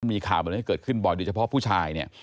มีข่าวแบบนี้เกิดขึ้นบ่อยโดยเฉพาะผู้ชายเนี่ย